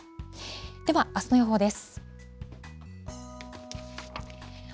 では、あすの予報です。